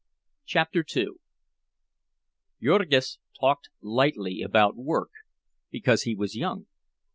CHAPTER II Jurgis talked lightly about work, because he was young.